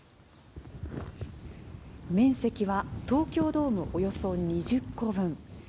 面積は東京ドームおよそ２０個分。